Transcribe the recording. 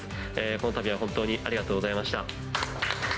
このたびは本当にありがとうございました。